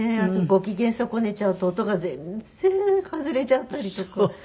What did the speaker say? あとご機嫌損ねちゃうと音が全然外れちゃったりとか。